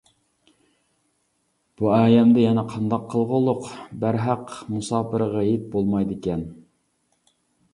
بۇ ئايەمدە يەنە قانداق قىلغۇلۇق، بەرھەق مۇساپىرغا ھېيت بولمايدىكەن.